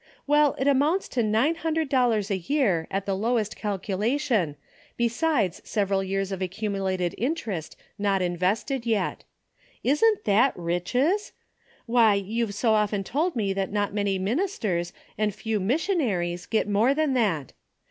Well, it amounts to about nine hundred dollars a year at the lowest calculation, besides several years of accumulated interest not in vested yet. Isn't that riches ? Why, you've often told me that not many ministers and few missionaries get more than that.